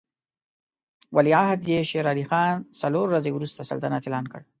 ولیعهد یې شېر علي خان څلور ورځې وروسته سلطنت اعلان کړ.